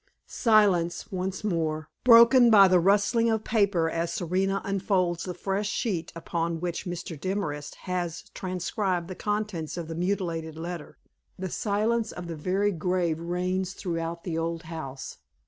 Silence once more, broken by the rustling of paper as Serena unfolds the fresh sheet upon which Mr. Demorest has transcribed the contents of the mutilated letter the silence of the very grave reigns throughout the old house.